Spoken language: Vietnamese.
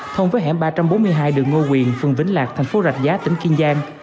thông với hẻm ba trăm bốn mươi hai đường ngô quyền phường vĩnh lạc thành phố rạch giá tỉnh kiên giang